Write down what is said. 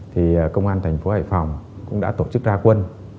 thì công an thành phố hải phòng cũng đã tổ chức ra quân